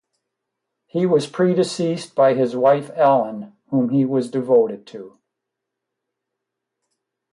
He was predeceased by his wife Ellen whom he was devoted to.